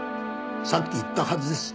さっき言ったはずです。